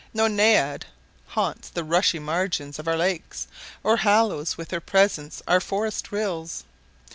No naiad haunts the rushy margin of our lakes, or hallows with her presence our forest rills.